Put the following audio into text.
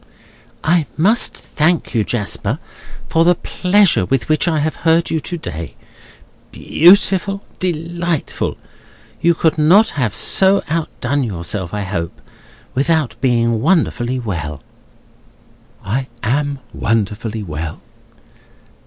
"I must thank you, Jasper, for the pleasure with which I have heard you to day. Beautiful! Delightful! You could not have so outdone yourself, I hope, without being wonderfully well." "I am wonderfully well."